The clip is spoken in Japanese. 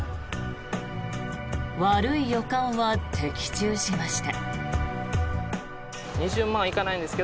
悪い予感は的中しました。